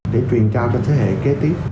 để truyền trao cho thế hệ kế tiếp